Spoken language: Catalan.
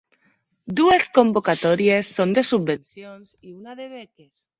Dues convocatòries són de subvencions i una de beques.